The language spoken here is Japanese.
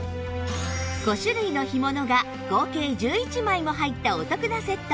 ５種類の干物が合計１１枚も入ったお得なセット